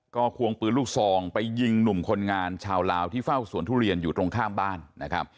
ก็ควงปืนลูกซองไปยิงหนุ่มคนงานชาวลาวที่เฝ้าสวนทุเรียนอยู่ตรงข้ามบ้านนะครับ